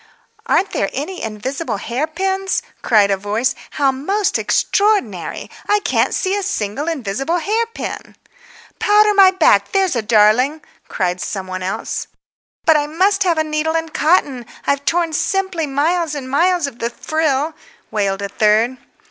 "Aren't there any invisible hair pins?" cried a voice. "How most extraordinary! I can't see a single invisible hair pin." "Powder my back, there's a darling," cried some one else. "But I must have a needle and cotton. I've torn simply miles and miles of the frill," wailed a third.